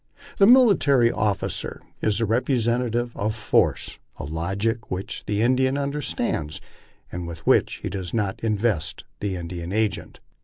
The military officer is the representative of force, a logic which the Indian understands, and with which he does not invest the Indian agent.